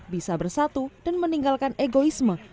bisa bersatu dan meninggalkan egoisme